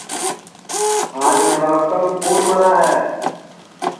آج نوابشام کُوٹؔ مرا ہے